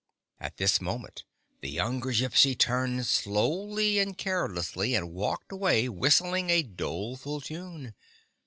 At this moment the younger Gypsy turned slowly and carelessly and walked away, whistling a doleful tune.